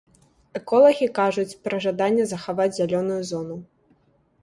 Эколагі кажуць пра жаданне захаваць зялёную зону.